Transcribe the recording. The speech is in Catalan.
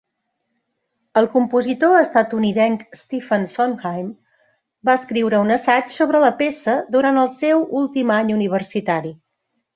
El compositor estatunidenc Stephen Sondheim va escriure un assaig sobre la peça durant el seu últim any universitari.